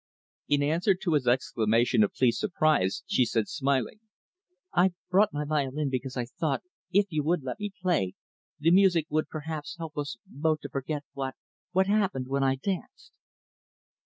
In answer to his exclamation of pleased surprise, she said smiling, "I brought my violin because I thought, if you would let me play, the music would perhaps help us both to forget what what happened when I danced."